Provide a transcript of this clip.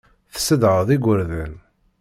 Tessedhaḍ igerdan.